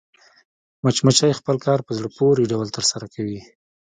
مچمچۍ خپل کار په زړه پورې ډول ترسره کوي